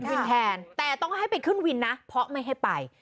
วินแทนแต่ต้องให้ไปขึ้นวินนะเพราะไม่ให้ไป